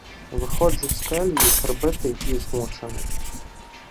Виходжу з келії прибитий і змучений.